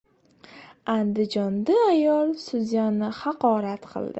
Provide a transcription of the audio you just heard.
Andijonda ayol sudyani haqorat qildi